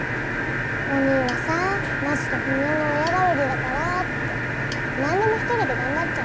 おにぃはさまちとふみおの親代わりだからって何でも１人で頑張っちゃうの。